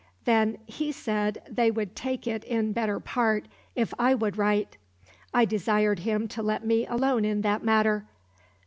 Then he said they would take it in better part if I would write. I desired him to let me alone in that matter.